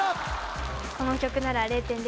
この曲なら０．００